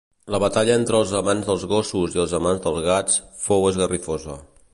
La batalla entre els amants dels gossos i els amants dels gats fou esgarrifosa